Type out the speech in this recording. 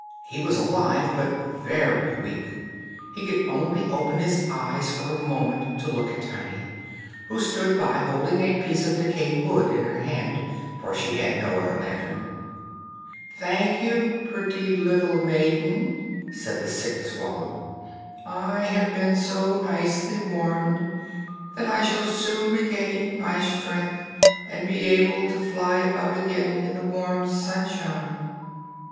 He was alive but very weak; he could only open his eyes for a moment to look at Tiny, who stood by holding a piece of decayed wood in her hand, for she had no other lantern. "Thank you, pretty little maiden," said the sick swallow; "I have been so nicely warmed, that I shall soon regain my strength, and be able to fly about again in the warm sunshine."